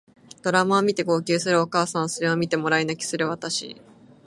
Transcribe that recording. ドラマを見て号泣するお母さんそれを見てもらい泣きする私